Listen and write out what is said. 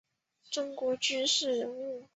中国军事人物。